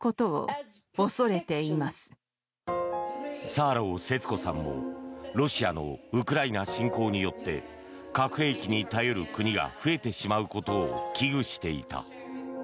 サーロー節子さんもロシアのウクライナ侵攻によって核兵器に頼る国が増えてしまうことを危惧していた。